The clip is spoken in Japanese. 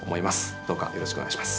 どうかよろしくお願いします。